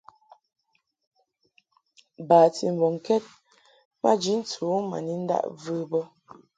Bati mbɔŋkɛd maji ntɨ u ma ni ndaʼ və bə.